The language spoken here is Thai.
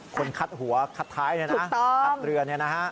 คนคัดหัวคัดท้ายเนี่ยนะคัดเรือเนี่ยนะฮะ